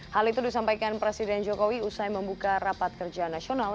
hal itu disampaikan presiden jokowi usai membuka rapat kerja nasional